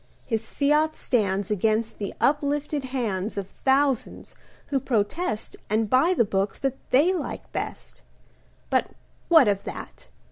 His fiat stands Against the uplifted hands Of thousands who protest And buy the books That they like best; But what of that?